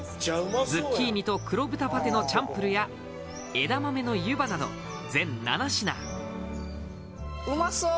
ズッキーニと黒豚パテのチャンプルや枝豆の湯葉など全７品うまそう！